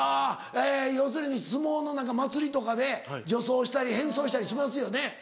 要するに相撲の祭りとかで女装したり変装したりしますよね。